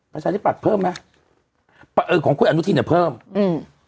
ประชาธิปัตย์เพิ่มไหมเออของคุณอนุทินอ่ะเพิ่มอืม